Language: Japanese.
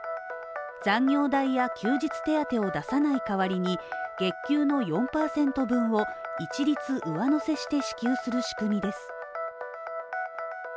残業代や休日手当を出さない代わりに月給の４％分を一律上乗せして支給する仕組みです。